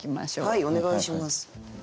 はいお願いします。